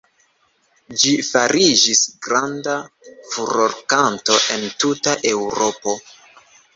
Ĝi fariĝis granda furorkanto en tuta Eŭropo.